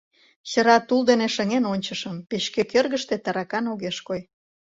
Чыра тул дене шыҥен ончышым — печке кӧргыштӧ таракан огеш кой.